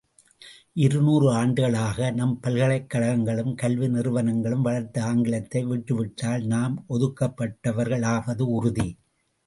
இருநூறு ஆண்டுகளாக நம் பல்கலைக் கழகங்களும் கல்வி நிறுவனங்களும் வளர்த்த ஆங்கிலத்தை விட்டுவிட்டால் நாம் ஒதுக்கப்பட்டவர்கள் ஆவது உறுதி.